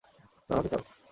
তুমি আমাকে চাও?